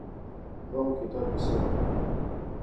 بہوں کیتا تسیں